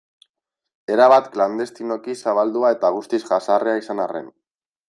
Erabat klandestinoki zabaldua eta guztiz jazarria izan arren.